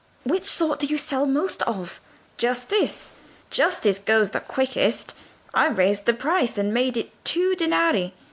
'" "Which sort do you sell most of?" "'Justice'—'Justice' goes the quickest,—so I raised the price, and made it two danari.